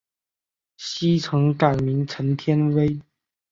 昔曾改名陈天崴。